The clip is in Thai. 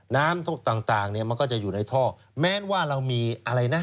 น้ำต่างเนี่ยมันก็จะอยู่ในท่อแม้ว่าเรามีอะไรนะ